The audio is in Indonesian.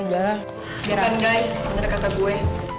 ya kan guys bener kata gue